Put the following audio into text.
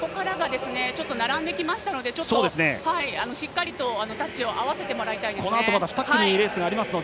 並んできたのでちょっとしっかりとタッチを合わせてもらいたいですね。